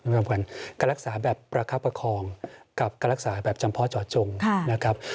คุณจำขวัญการรักษาแบบประคับประคองกับการรักษาแบบจำเพาะเจาะจงนะครับ